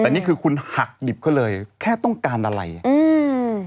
แต่นี่คือคุณหักดิบเขาเลยแค่ต้องการอะไรอ่ะอืม